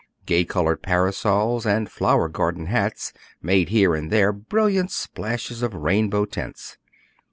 Gay colored parasols and flower garden hats made here and there brilliant splashes of rainbow tints.